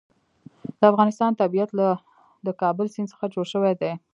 د افغانستان طبیعت له د کابل سیند څخه جوړ شوی دی.